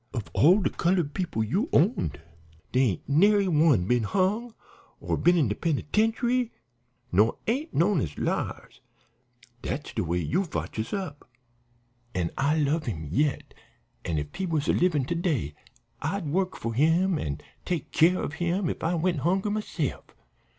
Of all de colored people you owned, dere ain't nary one been hung, or been in de penitentiary, nor ain't knowed as liars. Dat's de way you fotch us up.' "An' I love him yet, an' if he was a livin' to day I'd work for him an' take care of him if I went hungry myse'f.